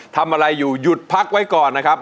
ทำอะไรอยู่หยุดพักไว้ก่อนนะครับ